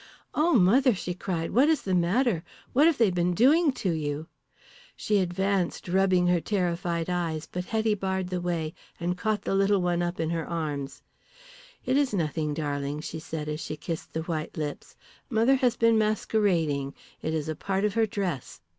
"Oh, mother," she cried. "What is the matter? What have they been doing to you?" She advanced rubbing her terrified eyes, but Hetty barred the way, and caught the little one up in her arms. "It is nothing, darling," she said as she kissed the white lips. "Mother has been masquerading, it is a part of her dress.